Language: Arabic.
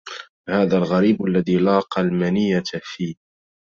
هذا الغريب الذي لاقى المنية في